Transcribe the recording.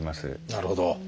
なるほど。